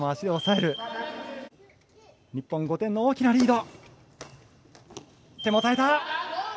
日本５点の大きなリード。